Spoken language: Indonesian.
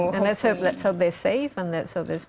dan semoga mereka selamat dan tidak ada kebenaran